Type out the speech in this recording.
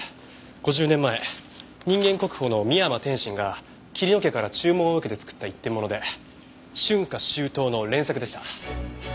５０年前人間国宝の美山天真が桐野家から注文を受けて作った一点物で春夏秋冬の連作でした。